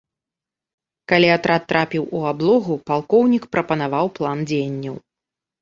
Калі атрад трапіў у аблогу, палкоўнік прапанаваў план дзеянняў.